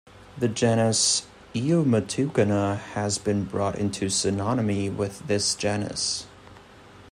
The genus Eomatucana has been brought into synonymy with this genus.